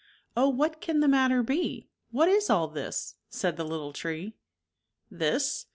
'' Oh, what can the matter be, what is all this? " said the little tree. " This